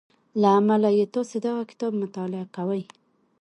له امله يې تاسې دغه کتاب مطالعه کوئ.